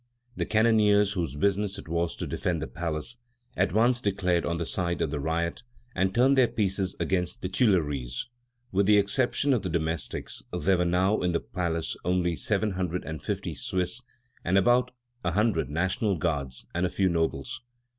The cannoneers, whose business it was to defend the palace, at once declared on the side of the riot and turned their pieces against the Tuileries. With the exception of the domestics there were now in the palace only the seven hundred and fifty Swiss, about a hundred National Guards, and a few nobles.